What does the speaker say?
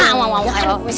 iya kan masih